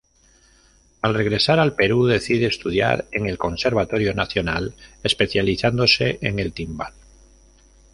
Al regresar al Perú decide estudiar en el Conservatorio Nacional especializándose en el timbal.